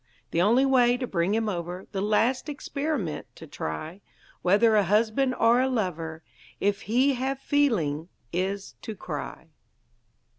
The only way to bring him over, The last experiment to try, Whether a husband or a lover, If he have feeling is to cry.